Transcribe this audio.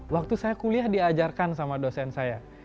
waktu saya kuliah diajarkan sama dosen saya